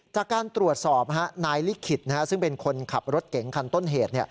จากการตรวจสอบนายลิขิตซึ่งเป็นคนขับรถเก๋งคันต้นเหตุ